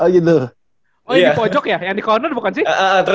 oh yang di pojok ya yang di corner bukan sih